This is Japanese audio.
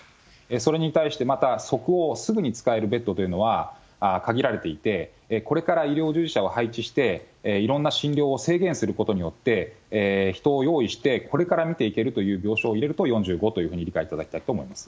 それに対して、また即応、すぐに使えるベッドというのは、限られていて、これから医療従事者を配置して、いろんな診療を制限することによって、人を用意して、これから診ていけるという病床を入れると４５というふうに理解いただきたいと思います。